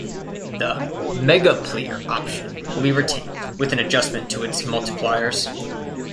The "Megaplier" option will be retained, with an adjustment to its multipliers.